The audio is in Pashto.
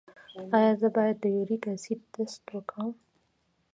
ایا زه باید د یوریک اسید ټسټ وکړم؟